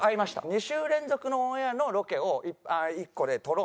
２週連続のオンエアのロケを１個で撮ろうみたいな感じ。